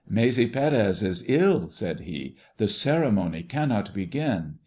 "Maese Pérez is ill," said he; "the ceremony cannot begin.